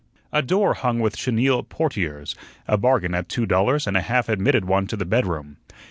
A door hung with chenille portieres a bargain at two dollars and a half admitted one to the bedroom.